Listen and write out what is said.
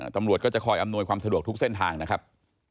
ตำรวจก็จะคอยอำนวยความสะดวกทุกเส้นทางนะครับ